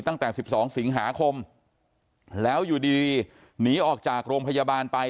ตั้งแต่๑๒สิงหาคมแล้วอยู่ดีหนีออกจากโรงพยาบาลไป